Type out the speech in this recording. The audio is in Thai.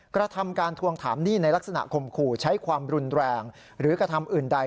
กระทำการทวงถามหนี้ในลักษณะข่มขู่ใช้ความรุนแรงหรือกระทำอื่นใด